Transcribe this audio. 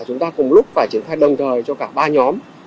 chúng ta cùng lúc phải triển khai đồng thời cho cả ba nhóm